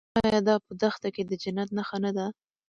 آیا دا په دښته کې د جنت نښه نه ده؟